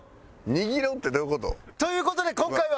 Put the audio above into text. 「握ろう」ってどういう事？という事で今回は。